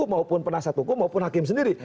maupun penasihat hukum maupun hakim sendiri